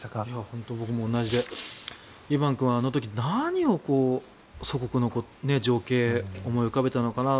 本当に僕も同じでイバン君はあの時、何を祖国の情景を思い浮かべたのかな